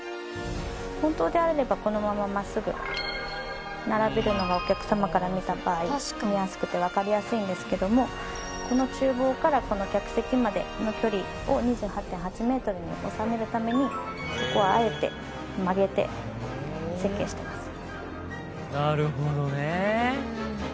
本当であればこのまま真っすぐ並べるのがお客様から見た場合見やすくてわかりやすいんですけどもこの厨房からこの客席までの距離を２８．８メートルに収めるためにここをあえて曲げて設計してます。